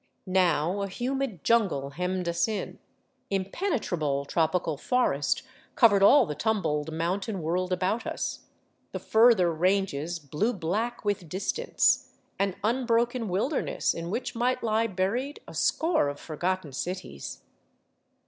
Now a humid jungle hemmed us in; impenetrable tropical forest covered all the tumbled mountain world about us, the further ranges blue black with distance, an unbroken wilderness in which might lie buried a score of forgotten cities.